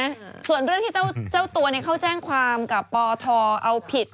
ส่วนเรื่องที่เจ้าเจ้าตัวเนี่ยเข้าแจ้งความกับปทเอาผิด